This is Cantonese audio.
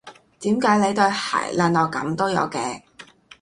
點解你對鞋爛到噉都有嘅？